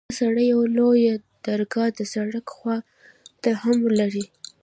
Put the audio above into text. دغه سراى يوه لويه درګاه د سړک خوا ته هم لري.